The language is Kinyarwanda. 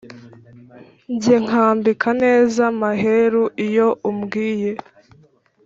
Njye nkwambika nezaMaheru iyo umbwiye